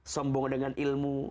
sombong dengan ilmu